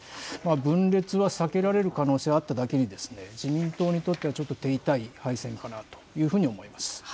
分裂は避けられる可能性はあっただけに、自民党にとっては、ちょっと手痛い敗戦かなというふうに思います。